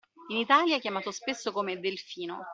In Italia chiamato spesso come “delfino”.